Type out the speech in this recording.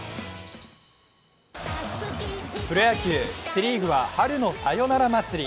プロ野球セ・リーグは春のサヨナラ祭り。